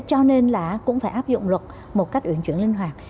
cho nên là cũng phải áp dụng luật một cách uyển chuyển linh hoạt